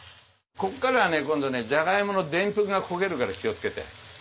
ここからはね今度ねじゃがいものでんぷんが焦げるから気をつけて。